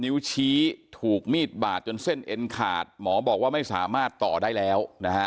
นิ้วชี้ถูกมีดบาดจนเส้นเอ็นขาดหมอบอกว่าไม่สามารถต่อได้แล้วนะฮะ